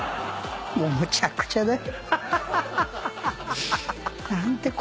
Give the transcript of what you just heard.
もうむちゃくちゃだ。